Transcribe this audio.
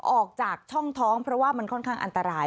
ออกจากช่องท้องเพราะว่ามันค่อนข้างอันตราย